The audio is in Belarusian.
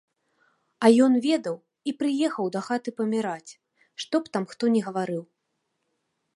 А ён ведаў, і прыехаў дахаты паміраць, што б там хто ні гаварыў.